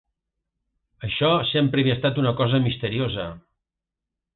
Això sempre havia estat una cosa misteriosa.